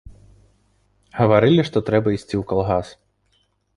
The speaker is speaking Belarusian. Гаварылі, што трэба ісці ў калгас.